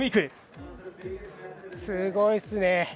すごいっすね。